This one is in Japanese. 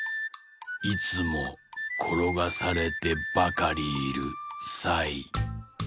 いつもころがされてばかりいるサイなんだ？